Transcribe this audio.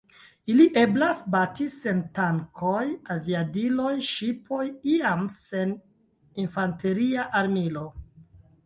Ili eblas bati sen tankoj, aviadiloj, ŝipoj, iam sen infanteria armilo.